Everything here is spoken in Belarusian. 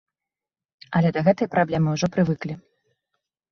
Але да гэтай праблемы ўжо прывыклі.